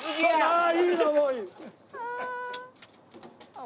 ああ。